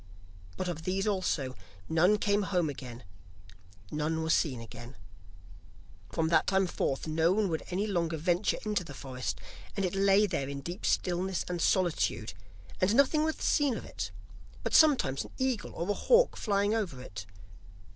But of these also, none came home again, none were seen again. From that time forth, no one would any longer venture into the forest, and it lay there in deep stillness and solitude, and nothing was seen of it, but sometimes an eagle or a hawk flying over it.